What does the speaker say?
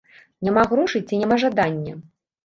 Няма грошай ці няма жадання?